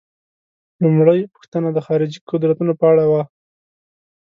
لومړۍ پوښتنه د خارجي قدرتونو په اړه وه.